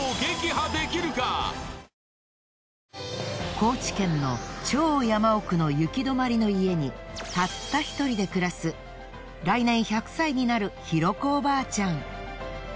高知県の超山奥の行き止まりの家にたった１人で暮らす来年１００歳になる尋子おばあちゃん。